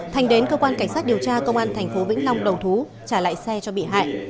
thành đến cơ quan cảnh sát điều tra công an tp vĩnh long đầu thú trả lại xe cho bị hại